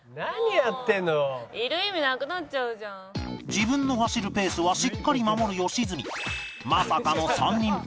自分の走るペースはしっかり守る良純